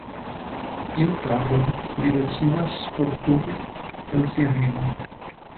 Iun tagon li decidas forkuri el sia hejmo.